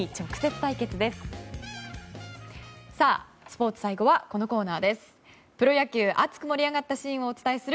スポーツ、最後はこのコーナーです。